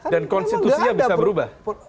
dan konstitusinya bisa berubah